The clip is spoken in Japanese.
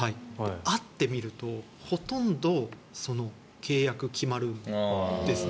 会ってみるとほとんど契約、決めるんですね。